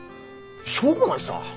しょうがないさぁ。